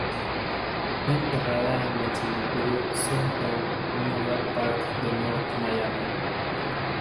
Fue enterrada en el Cementerio Southern Memorial Park de North Miami.